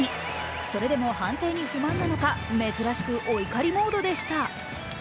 それでも判定に不満なのか珍しくお怒りモードでした。